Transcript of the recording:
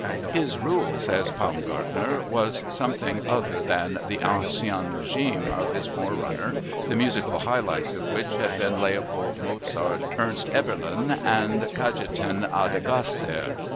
His rule, says Paumgartner, was something other than the "ancient regime" of his forerunner, the musical highlights of which had been Leopold Mozart, Ernst Eberlin, and Cajetan Adlgasser.